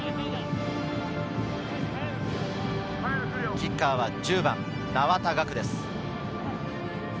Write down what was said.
キッカーは１０番・名和田我空です。